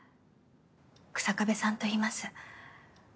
日下部さんといいます。